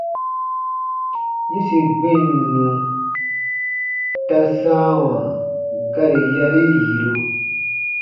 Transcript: -yĩsi gbinnu ta sãawa gari yarii yiru.